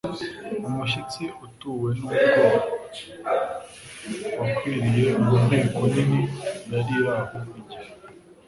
Umushyitsi utewe n'ubwoba wakwiriye mu nteko nini yari iri aho igihe